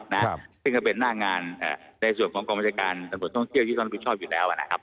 นะครับซึ่งก็เป็นหน้างานเอ่อในส่วนของกรมจาการสมบัติท่องเที่ยวที่ท่านผู้ชอบอยู่แล้วอ่ะนะครับ